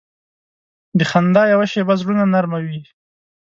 د خندا یوه شیبه زړونه نرمه وي.